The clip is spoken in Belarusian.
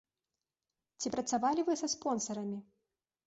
Ці працавалі вы са спонсарамі?